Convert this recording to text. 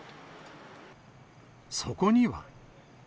そこには。